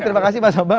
terima kasih mas bang